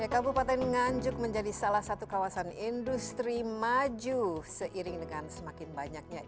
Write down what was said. kabupaten nganjuk menjadi salah satu kawasan industri maju seiring dengan semakin banyaknya